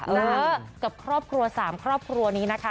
เออกับครอบครัว๓ครอบครัวนี้นะคะ